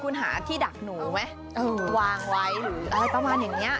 คุณหาที่ดักหนูไหมวางไว้หรืออะไรประมาณอย่างนี้